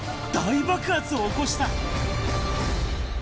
大爆発を起こした。